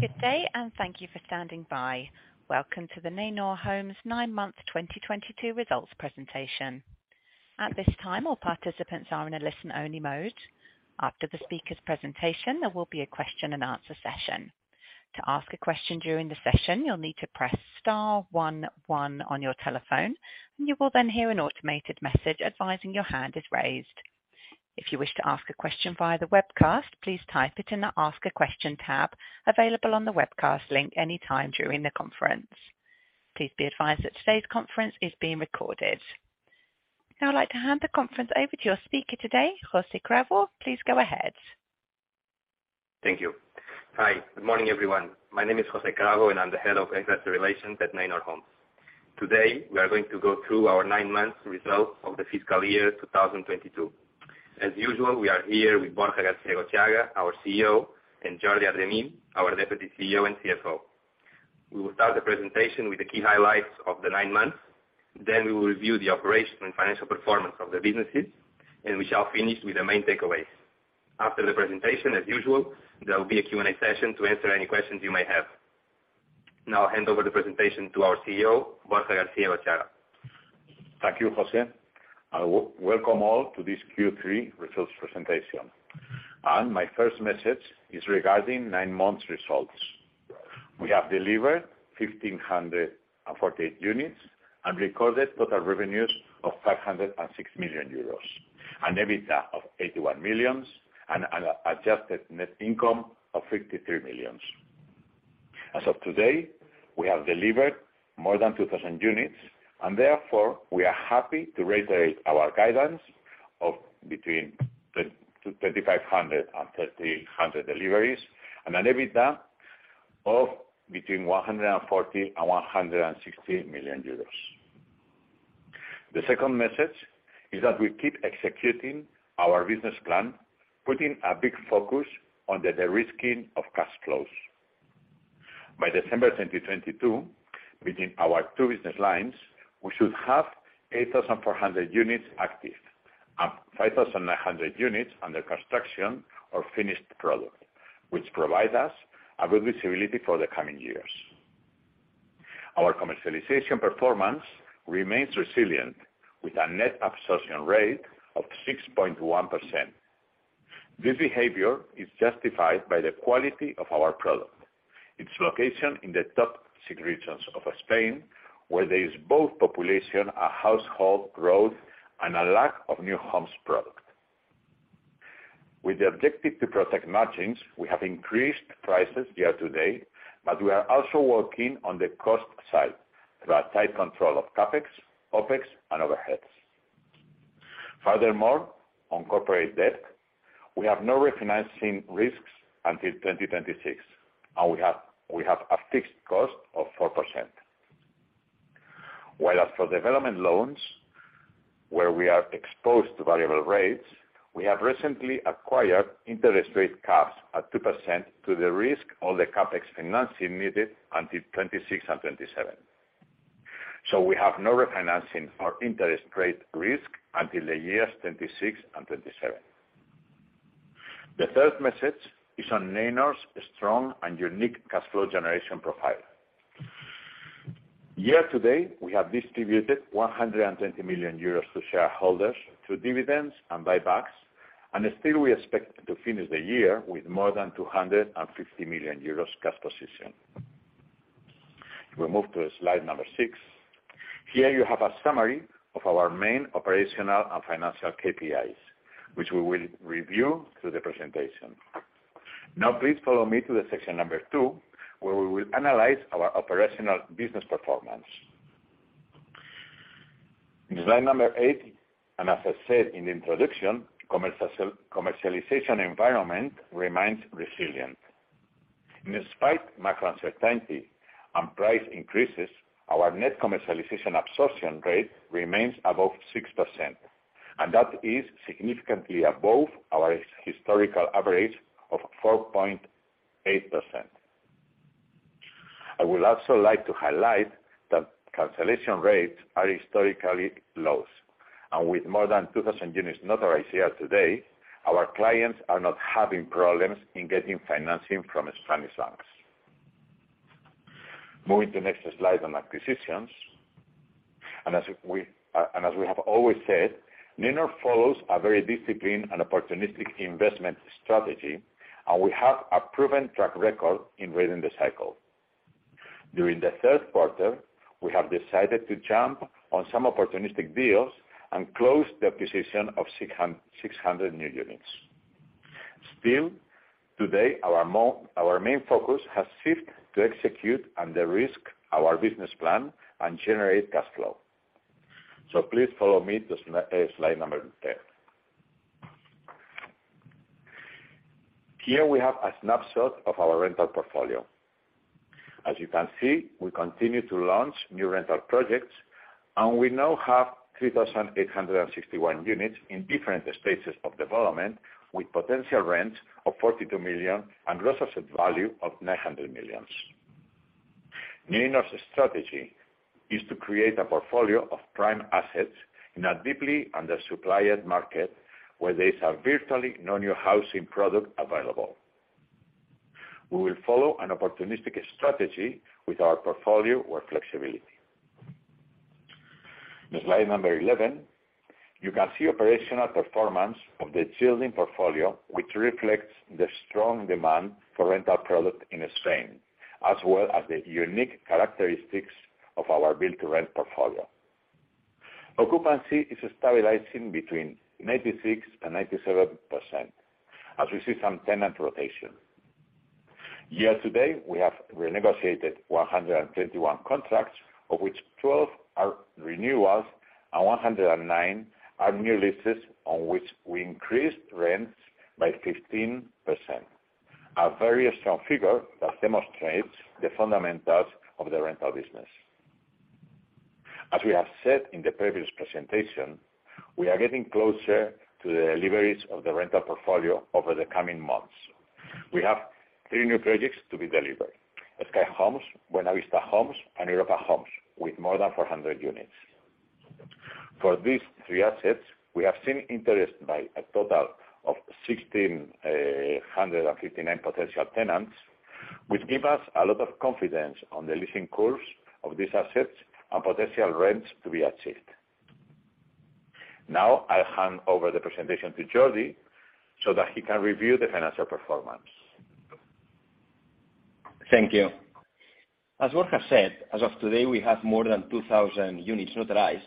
Good day and thank you for standing by. Welcome to the Neinor Homes 9-month 2022 results presentation. At this time, all participants are in a listen-only mode. After the speaker's presentation, there will be a question and answer session. To ask a question during the session, you'll need to press star one one on your telephone, and you will then hear an automated message advising your hand is raised. If you wish to ask a question via the webcast, please type it in the Ask a Question tab available on the webcast link any time during the conference. Please be advised that today's conference is being recorded. Now I'd like to hand the conference over to your speaker today, José Cravo. Please go ahead. Thank you. Hi, good morning, everyone. My name is José Cravo, and I'm the Head of Investor Relations at Neinor Homes. Today, we are going to go through our 9-month results of the fiscal year 2022. As usual, we are here with Borja García-Egotxeaga, our CEO, and Jordi Argemí, our deputy CEO and CFO. We will start the presentation with the key highlights of the 9 months, then we will review the operational and financial performance of the businesses, and we shall finish with the main takeaways. After the presentation, as usual, there will be a Q&A session to answer any questions you may have. Now I hand over the presentation to our CEO, Borja García-Egotxeaga. Thank you, José. Welcome all to this Q3 results presentation. My first message is regarding 9 months' results. We have delivered 1,548 units and recorded total revenues of 506 million euros, an EBITDA of 81 million and adjusted net income of 53 million. As of today, we have delivered more than 2,000 units, and therefore we are happy to reiterate our guidance of between 3,000 and 3,500 deliveries and an EBITDA of between 140 million and 160 million euros. The second message is that we keep executing our business plan, putting a big focus on the de-risking of cash flows. By December 2022, between our two business lines, we should have 8,400 units active and 5,900 units under construction or finished product, which provide us a good visibility for the coming years. Our commercialization performance remains resilient, with a net absorption rate of 6.1%. This behavior is justified by the quality of our product, its location in the top six regions of Spain, where there is both population, a household growth, and a lack of new homes product. With the objective to protect margins, we have increased prices year-to-date, but we are also working on the cost side through our tight control of CapEx, OpEx and overheads. Furthermore, on corporate debt, we have no refinancing risks until 2026, and we have a fixed cost of 4%. While as for development loans, where we are exposed to variable rates, we have recently acquired interest rate caps at 2% to the risk of the CapEx financing needed until 2026 and 2027. We have no refinancing or interest rate risk until the years 2026 and 2027. The third message is on Neinor's strong and unique cash flow generation profile. Year-to-date, we have distributed 120 million euros to shareholders through dividends and buybacks, and still we expect to finish the year with more than 250 million euros cash position. We move to slide 6. Here you have a summary of our main operational and financial KPIs, which we will review through the presentation. Now please follow me to the section 2, where we will analyze our operational business performance. Slide number 8, as I said in the introduction, commercialization environment remains resilient. In spite of macro uncertainty and price increases, our net commercialization absorption rate remains above 6%, and that is significantly above our historical average of 4.8%. I would also like to highlight that cancellation rates are historical lows. With more than 2,000 units notarized year-to-date, our clients are not having problems in getting financing from Spanish banks. Moving to next slide on acquisitions. As we have always said, Neinor follows a very disciplined and opportunistic investment strategy, and we have a proven track record in reading the cycle. During the third quarter, we have decided to jump on some opportunistic deals and close the acquisition of 600 new units. Still, today, our main focus has shifted to execute and de-risk our business plan and generate cash flow. Please follow me to slide number 10. Here we have a snapshot of our rental portfolio. As you can see, we continue to launch new rental projects, and we now have 3,861 units in different stages of development with potential rent of 42 million and gross asset value of 900 million. Neinor’s strategy is to create a portfolio of prime assets in a deeply undersupplied market where there is virtually no new housing product available. We will follow an opportunistic strategy with our portfolio and flexibility. In slide number 11, you can see operational performance of the rental portfolio, which reflects the strong demand for rental product in Spain, as well as the unique characteristics of our Build-to-Rent portfolio. Occupancy is stabilizing between 96% and 97% as we see some tenant rotation. Year to date, we have renegotiated 121 contracts, of which 12 are renewals and 109 are new leases on which we increased rents by 15%. A very strong figure that demonstrates the fundamentals of the rental business. As we have said in the previous presentation, we are getting closer to the deliveries of the rental portfolio over the coming months. We have three new projects to be delivered, Sky Homes, Buenavista Homes, and Europa Homes, with more than 400 units. For these three assets, we have seen interest by a total of 1,659 potential tenants, which give us a lot of confidence on the leasing course of these assets and potential rents to be achieved. Now I hand over the presentation to Jordi so that he can review the financial performance. Thank you. As Borja said, as of today, we have more than 2,000 units notarized,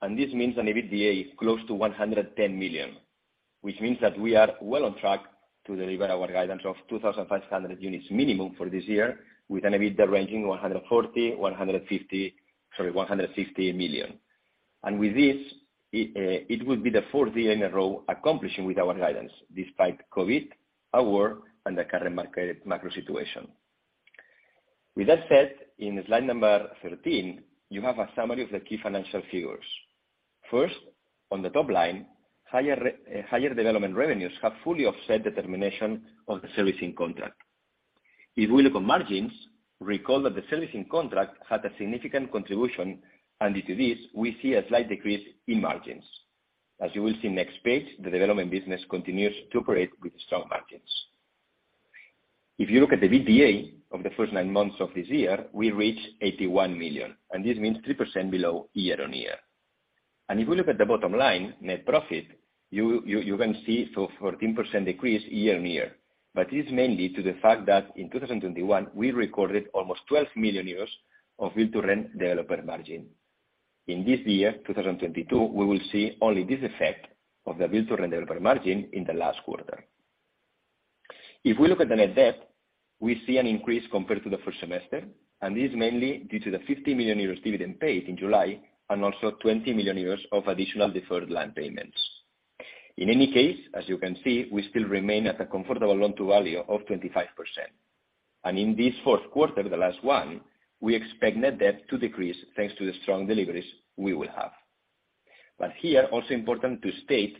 and this means an EBITDA close to 110 million, which means that we are well on track to deliver our guidance of 2,500 units minimum for this year with an EBITDA ranging 140 million-150 million. With this, it will be the fourth year in a row accomplishing with our guidance despite COVID, our world, and the current market macro situation. With that said, in slide number 13, you have a summary of the key financial figures. First, on the top line, higher development revenues have fully offset the termination of the servicing contract. If we look at margins, recall that the servicing contract had a significant contribution, and due to this, we see a slight decrease in margins. As you will see next page, the development business continues to operate with strong margins. If you look at the EBITDA of the first 9 months of this year, we reach 81 million, and this means 3% below year-on-year. If you look at the bottom line, net profit, you can see 14% decrease year-on-year. It's mainly to the fact that in 2021, we recorded almost 12 million euros of build to rent developer margin. In this year, 2022, we will see only this effect of the build to rent developer margin in the last quarter. If we look at the net debt, we see an increase compared to the first semester, and this is mainly due to the 50 million euros dividend paid in July and also 20 million euros of additional deferred land payments. In any case, as you can see, we still remain at a comfortable Loan-to-Value of 25%. In this fourth quarter, the last one, we expect net debt to decrease thanks to the strong deliveries we will have. Here, also important to state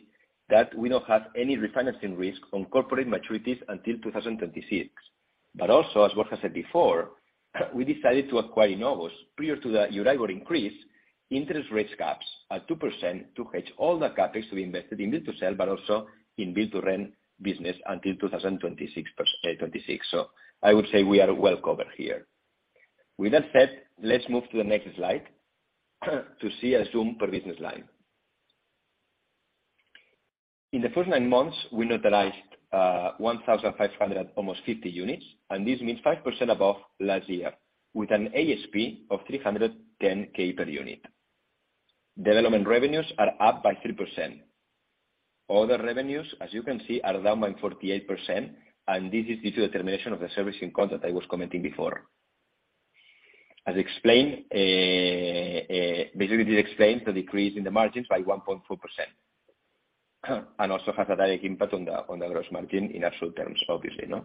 that we don't have any refinancing risk on corporate maturities until 2026. Also, as Borja said before, we decided to acquire in August, prior to the Euribor increase, interest rate caps at 2% to hedge all the CapEx to be invested in Build-to-Sell, but also in Build-to-Rent business until 2026. I would say we are well covered here. With that said, let's move to the next slide to see a zoom per business line. In the first 9 months, we notarized 1,500 almost 50 units, and this means 5% above last year with an ASP of 310K per unit. Development revenues are up by 3%. Other revenues as you can see, are down by 48%, and this is due to the termination of the servicing contract I was commenting before. As explained, basically this explains the decrease in the margins by 1.4% and also has a direct impact on the gross margin in absolute terms, obviously, no?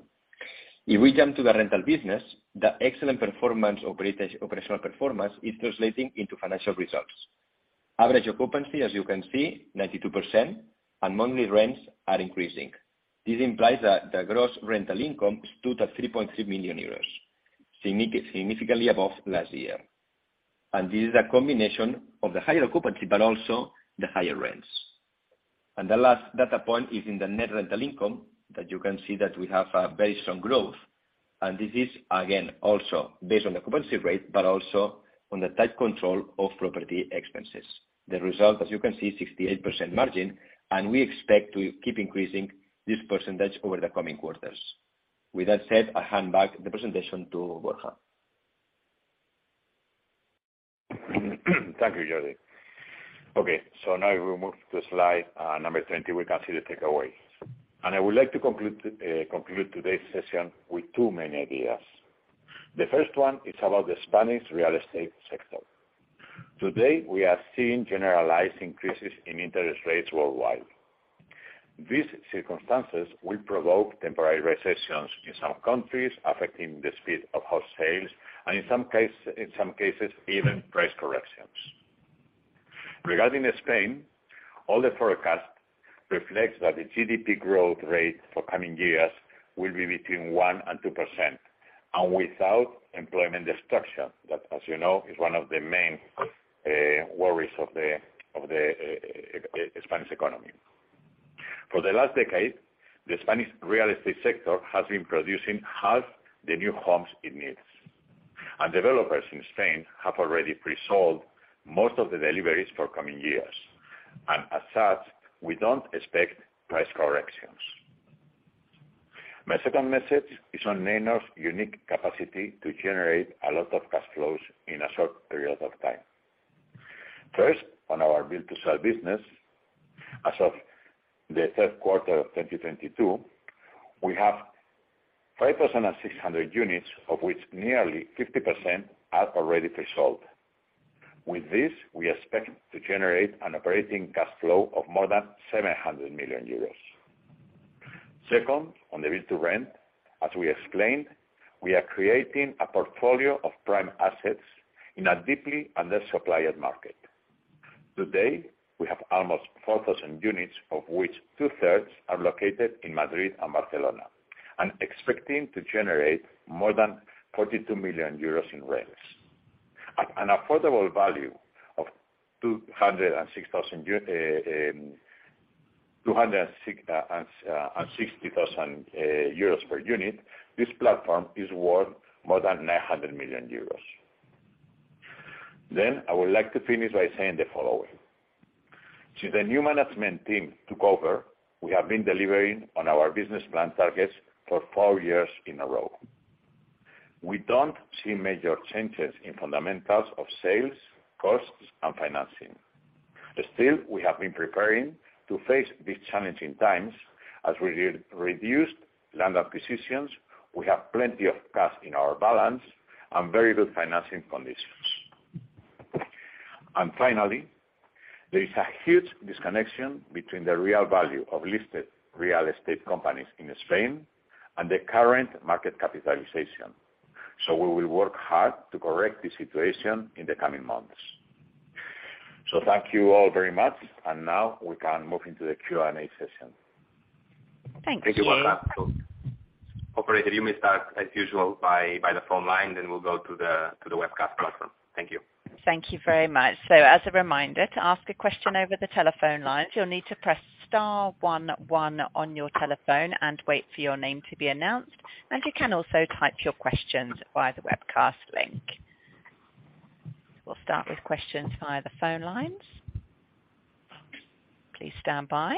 If we jump to the rental business, the excellent performance operational performance is translating into financial results. Average occupancy, as you can see, 92% and monthly rents are increasing. This implies that the gross rental income stood at 3.3 million euros, significantly above last year. This is a combination of the higher occupancy, but also the higher rents. The last data point is in the net rental income that you can see that we have a very strong growth. This is again also based on the occupancy rate, but also on the tight control of property expenses. The result, as you can see, 68% margin, and we expect to keep increasing this percentage over the coming quarters. With that said, I hand back the presentation to Borja. Thank you, Jordi. Okay, now we move to slide number 20. We can see the takeaways. I would like to conclude today's session with two main ideas. The first one is about the Spanish real estate sector. Today, we are seeing generalized increases in interest rates worldwide. These circumstances will provoke temporary recessions in some countries, affecting the speed of house sales and in some cases, even price corrections. Regarding Spain, all the forecast reflects that the GDP growth rate for coming years will be between 1%-2% and without employment destruction, that, as you know, is one of the main worries of the Spanish economy. For the last decade, the Spanish real estate sector has been producing half the new homes it needs. Developers in Spain have already pre-sold most of the deliveries for coming years. As such, we don't expect price corrections. My second message is on Neinor's unique capacity to generate a lot of cash flows in a short period of time. First, on our Build-to-Sell business. As of the third quarter of 2022, we have 5,600 units, of which nearly 50% are already pre-sold. With this, we expect to generate an operating cash flow of more than 700 million euros. Second, on the Build-to-Rent, as we explained, we are creating a portfolio of prime assets in a deeply undersupplied market. Today, we have almost 4,000 units, of which 2/3 are located in Madrid and Barcelona, and expecting to generate more than 42 million euros in rents. At an affordable value of 260,000 euros per unit, this platform is worth more than 900 million euros. I would like to finish by saying the following. Since the new management team took over, we have been delivering on our business plan targets for 4 years in a row. We don't see major changes in fundamentals of sales, costs, and financing. Still, we have been preparing to face these challenging times, as we re-reduced land acquisitions, we have plenty of cash in our balance and very good financing conditions. Finally, there is a huge disconnection between the real value of listed real estate companies in Spain and the current market capitalization. We will work hard to correct the situation in the coming months. Thank you all very much. Now we can move into the Q&A session. Thanks. Thank you. Operator, you may start as usual by the phone line, then we'll go to the webcast platform. Thank you. Thank you very much. As a reminder to ask a question over the telephone lines, you'll need to press star one one on your telephone and wait for your name to be announced. You can also type your questions via the webcast link. We'll start with questions via the phone lines. Please stand by.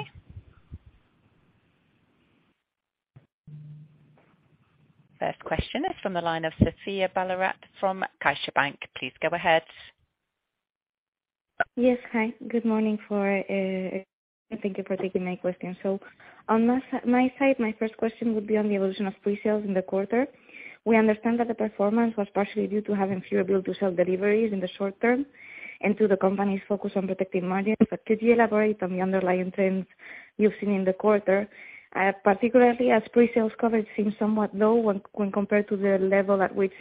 First question is from the line of Sofía Bayard from CaixaBank. Please go ahead. Yes. Hi. Good morning, thank you for taking my question. On my side, my first question would be on the evolution of pre-sales in the quarter. We understand that the performance was partially due to having fewer build-to-sell deliveries in the short term and to the company's focus on protecting margin. Could you elaborate on the underlying trends you've seen in the quarter, particularly as pre-sales coverage seems somewhat low when compared to the level at which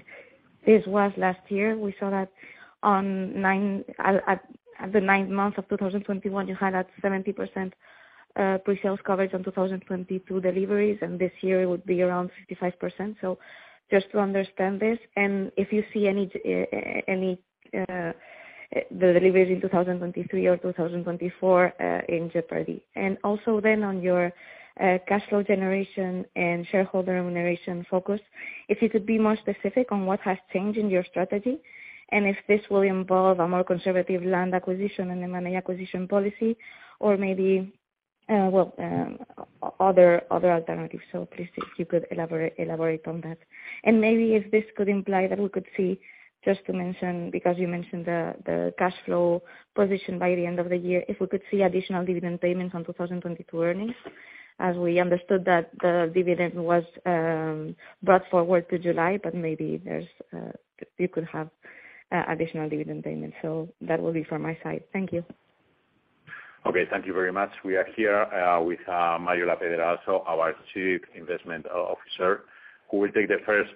this was last year. We saw that at the 9th month of 2021, you had 70% pre-sales coverage on 2022 deliveries, and this year it would be around 55%. Just to understand this and if you see any the deliveries in 2023 or 2024 in jeopardy. Also then on your cash flow generation and shareholder remuneration focus, if you could be more specific on what has changed in your strategy, and if this will involve a more conservative land acquisition and M&A acquisition policy or maybe other alternatives. Please, if you could elaborate on that. Maybe if this could imply that we could see, just to mention, because you mentioned the cash flow position by the end of the year, if we could see additional dividend payments on 2022 earnings, as we understood that the dividend was brought forward to July, but maybe there's you could have additional dividend payments. That will be from my side. Thank you. Okay. Thank you very much. We are here with Mario Lapiedra, our Chief Investment Officer, who will take the first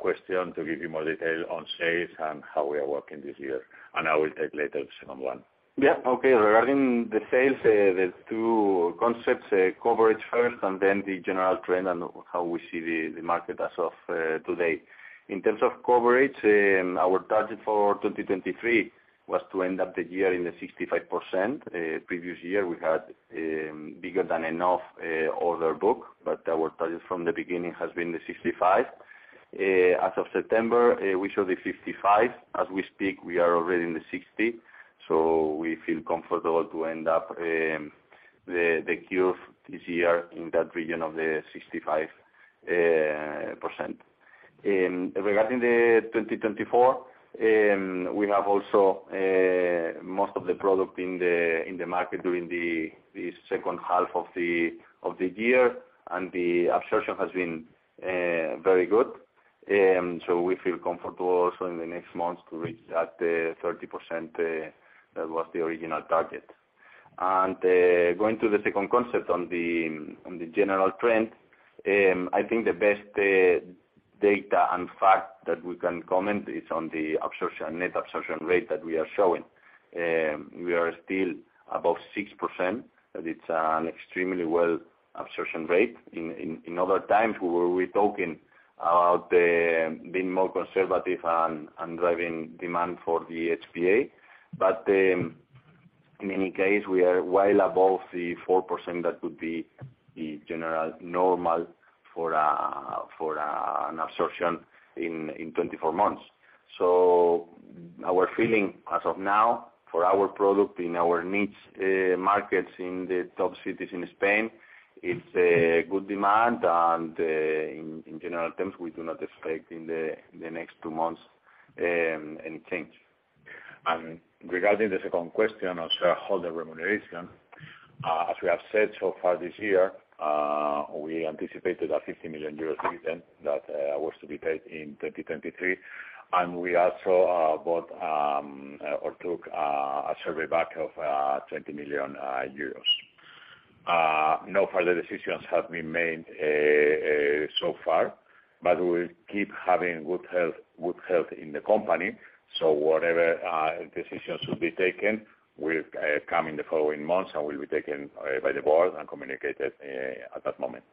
question to give you more detail on sales and how we are working this year. I will take later the second one. Yeah. Okay. Regarding the sales, there's two concepts, coverage first and then the general trend and how we see the market as of today. In terms of coverage, our target for 2023 was to end up the year in the 65%. Previous year, we had bigger than enough order book, but our target from the beginning has been the 65. As of September, we showed the 55. As we speak, we are already in the 60, so we feel comfortable to end up the year this year in that region of the 65%. Regarding the 2024, we have also most of the product in the market during the second half of the year, and the absorption has been very good. We feel comfortable also in the next months to reach that 30%, that was the original target. Going to the second concept on the general trend, I think the best data and fact that we can comment is on the absorption, net absorption rate that we are showing. We are still above 6%, that's an extremely good absorption rate. In other times, we were talking about being more conservative and driving demand for the HPA. In any case, we are well above the 4% that would be the general norm for an absorption in 24 months. Our feeling as of now for our product in our niche markets in the top cities in Spain, it's a good demand and in general terms, we do not expect in the next 2 months any change. Regarding the second question of shareholder remuneration, as we have said so far this year, we anticipated a 50 million euros dividend that was to be paid in 2023, and we also bought or took a share buyback of EUR 20 million. No further decisions have been made so far, but we'll keep having good health in the company. Whatever decisions will be taken will come in the following months and will be taken by the board and communicated at that moment.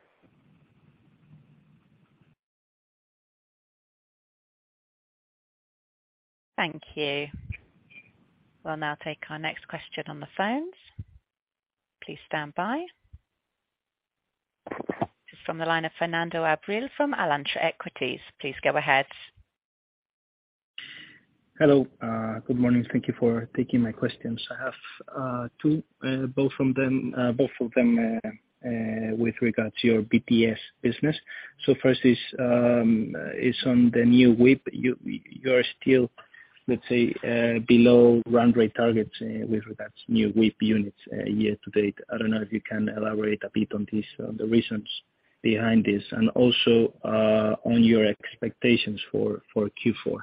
Thank you. We'll now take our next question on the phones. Please stand by. This is from the line of Fernando Abril-Martorell from Alantra Equities. Please go ahead. Hello. Good morning. Thank you for taking my questions. I have two, both of them with regards to your BTS business. First is on the new WIP. You are still, let's say, below run rate targets with regards new WIP units, year to date. I don't know if you can elaborate a bit on this, on the reasons behind this and also on your expectations for Q4.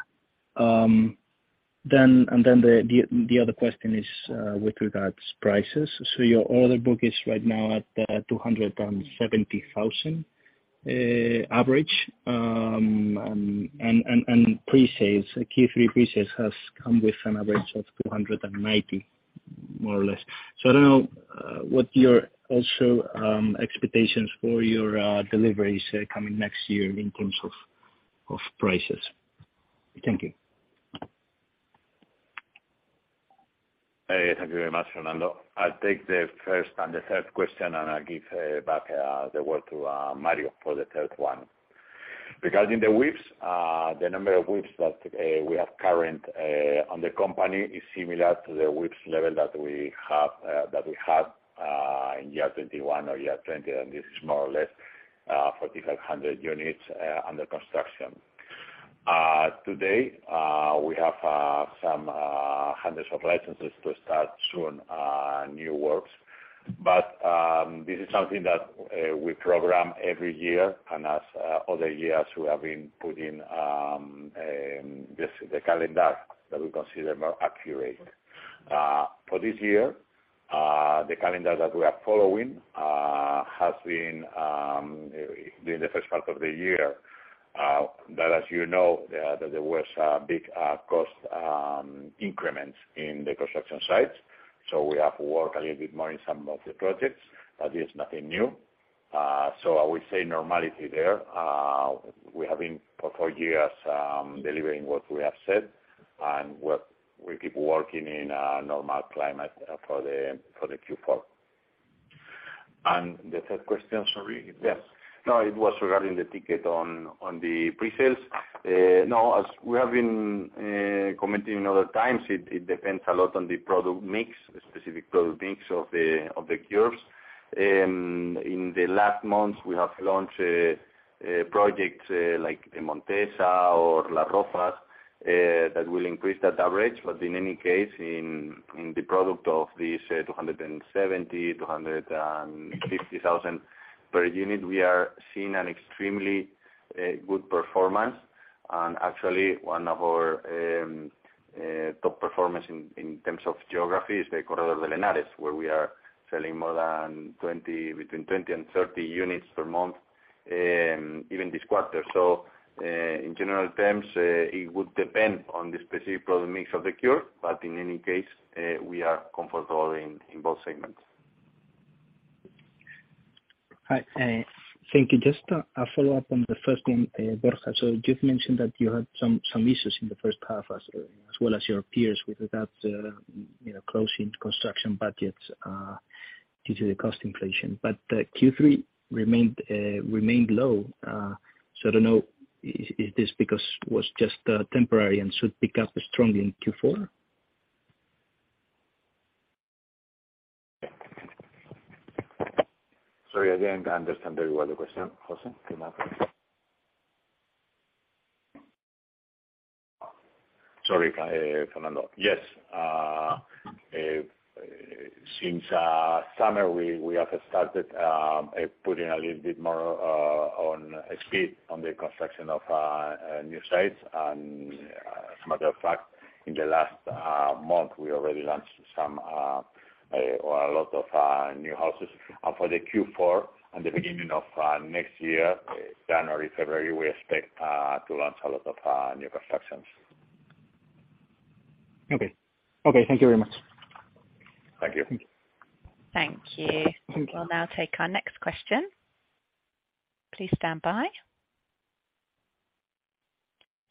The other question is with regards prices. Your order book is right now at 270,000 average. Q3 pre-sales has come with an average of 290,000, more or less. I don't know what your overall expectations for your deliveries coming next year in terms of prices. Thank you. Thank you very much, Fernando. I'll take the first and the third question, and I'll give back the word to Mario for the third one. Regarding the WIPs, the number of WIPs that we have currently on the company is similar to the WIPs level that we had in 2021 or 2020, and this is more or less 4,500 units under construction. Today, we have some hundreds of licenses to start soon new works. This is something that we program every year and as other years we have been putting. This is the calendar that we consider more accurate. For this year, the calendar that we are following has been during the first part of the year, that as you know, there was a big cost increments in the construction sites. We have worked a little bit more in some of the projects, but it's nothing new. I would say normality there. We have been for 4 years delivering what we have said and work, we keep working in a normal climate for the Q4. The third question, sorry. Yes. No, it was regarding the take on pre-sales. No, as we have been commenting in other times, it depends a lot on the product mix, specific product mix of the quarters. In the last months, we have launched projects like Montesa or La Roca that will increase that average. In any case, in the product of 250,000-270,000 per unit, we are seeing an extremely good performance. Actually one of our top performance in terms of geography is the Corredor del Henares, where we are selling more than 20, between 20 and 30 units per month, even this quarter. In general terms, it would depend on the specific product mix of the quarter, but in any case, we are comfortable in both segments. Hi, thank you. Just a follow-up on the first one, Borja. So you've mentioned that you had some issues in the first half as well as your peers with regards, you know, closing construction budgets due to the cost inflation. Q3 remained low. I don't know, is this because was just temporary and should pick up strongly in Q4? Sorry, I didn't understand very well the question, José. Can I. Sorry, Fernando. Yes. Since. Last summer, we have started putting a little bit more on speed on the construction of new sites. As a matter of fact, in the last month, we already launched some or a lot of new houses. For the Q4 and the beginning of next year, January, February, we expect to launch a lot of new constructions. Okay. Okay, thank you very much. Thank you. Thank you. Thank you. We'll now take our next question. Please stand by.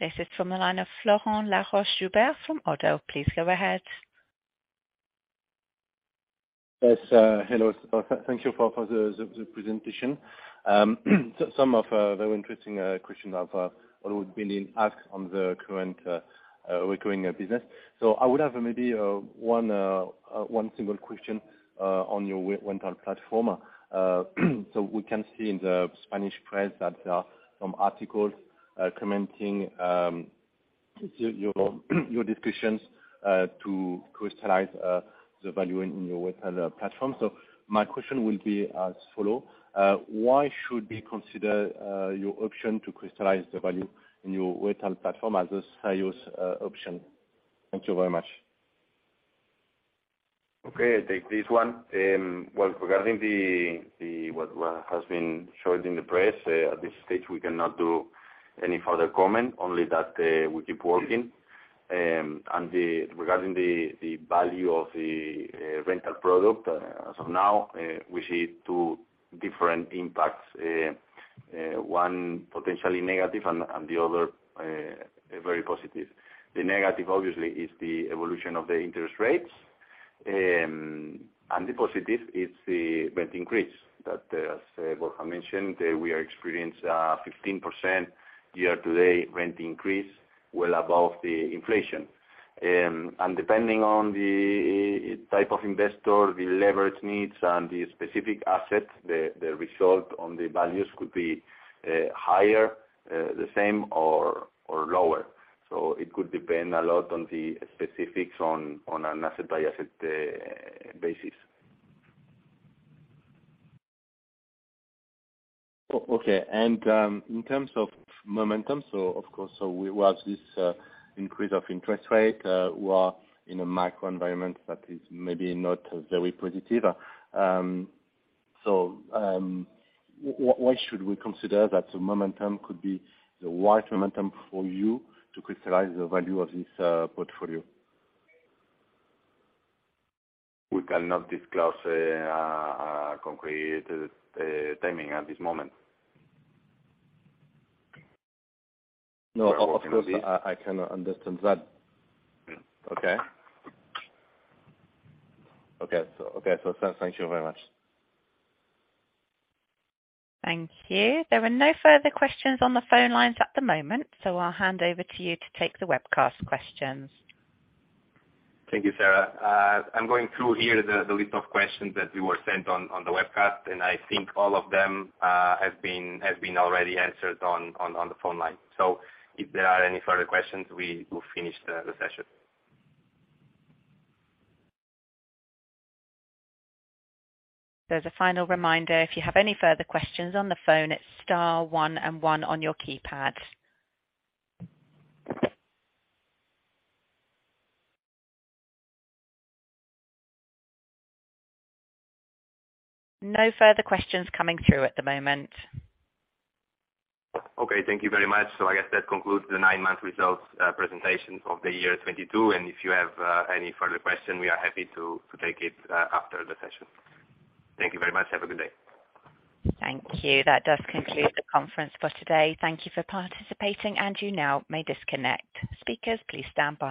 This is from the line of Florent Laroche-Joubert from Oddo BHF. Please go ahead. Yes, hello. Thank you for the presentation. Some very interesting questions have been asked on the current recurring business. I would have maybe one single question on your rental platform. We can see in the Spanish press that there are some articles commenting on your discussions to crystallize the value in your rental platform. My question will be as follows. Why should we consider your option to crystallize the value in your rental platform as the highest option? Thank you very much. Okay, I take this one. Well, regarding the what has been shown in the press, at this stage, we cannot do any further comment only that we keep working. Regarding the value of the rental product, as of now, we see two different impacts. One potentially negative and the other very positive. The negative obviously is the evolution of the interest rates. The positive is the rent increase that as Borja mentioned, we are experiencing 15% year-to-date rent increase well above the inflation. Depending on the type of investor, the leverage needs and the specific assets, the result on the values could be higher, the same or lower. It could depend a lot on the specifics on an asset by asset basis. Okay. In terms of momentum, of course, we have this increase of interest rate. We are in a macro environment that is maybe not very positive. Why should we consider that the momentum could be the right momentum for you to crystallize the value of this portfolio? We cannot disclose a concrete timing at this moment. No, of course, I can understand that. Okay. Thank you very much. Thank you. There are no further questions on the phone lines at the moment, so I'll hand over to you to take the webcast questions. Thank you, Sarah. I'm going through here the list of questions that we were sent on the webcast, and I think all of them has been already answered on the phone line. If there are any further questions, we will finish the session. There's a final reminder, if you have any further questions on the phone, it's star one and one on your keypad. No further questions coming through at the moment. Okay, thank you very much. I guess that concludes the 9-month results presentations of the year 2022. If you have any further question, we are happy to take it after the session. Thank you very much. Have a good day. Thank you. That does conclude the conference for today. Thank you for participating, and you now may disconnect. Speakers, please stand by.